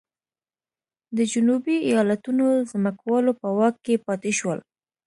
د جنوبي ایالتونو ځمکوالو په واک کې پاتې شول.